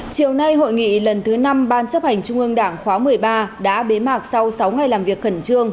chiều nay hội nghị lần thứ năm ban chấp hành trung ương đảng khóa một mươi ba đã bế mạc sau sáu ngày làm việc khẩn trương